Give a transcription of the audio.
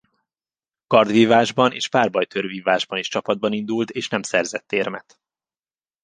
Kardvívásban és párbajtőrvívásban is csapatban indult és nem szerzett érmet.